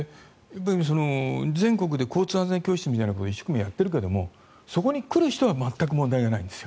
全国で交通安全教室みたいなことを一生懸命やっているけれどそこに来る人は全く問題はないんです。